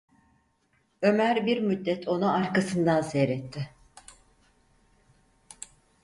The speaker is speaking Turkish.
Ömer bir müddet onu arkasından seyretti.